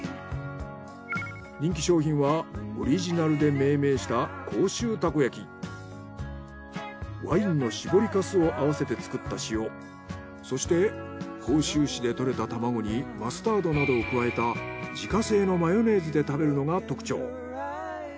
人気商品はオリジナルで命名したワインの搾り粕を合わせて作った塩そして甲州市でとれた卵にマスタードなどを加えた自家製のマヨネーズで食べるのが特徴。